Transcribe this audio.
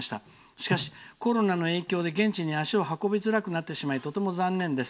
しかし、コロナの影響で現地に足を運びづらくなってしまいとても残念です。